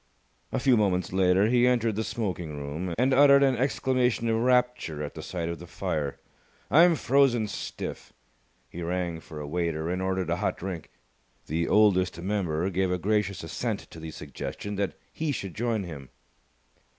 A few moments later he entered the smoking room, and uttered an exclamation of rapture at the sight of the fire. "I'm frozen stiff!" He rang for a waiter and ordered a hot drink. The Oldest Member gave a gracious assent to the suggestion that he should join him.